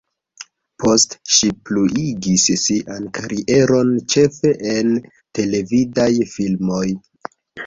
Poste, ŝi pluigis sian karieron ĉefe en televidaj filmoj.